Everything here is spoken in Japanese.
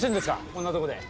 こんなとこで。